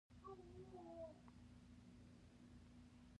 هوا صافه ده